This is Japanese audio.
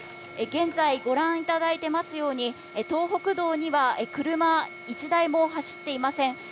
現在、ご覧いただいていますように東北道には車１台も走っていません。